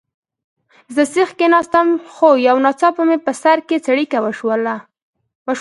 زه سیخ کښېناستم، خو یو ناڅاپه مې په سر کې څړیکه وشول.